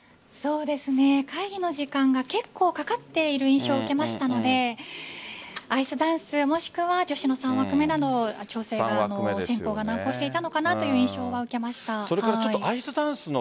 会議の時間が結構かかっている印象を受けましたのでアイスダンス、もしくは女子の３枠目などの調整が難航していたのかなという印象は受けました。